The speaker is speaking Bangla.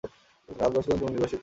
আট বৎসরের জন্য তুমি নির্বাসিত হইলে।